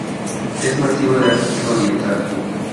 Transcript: Es nativa de África oriental.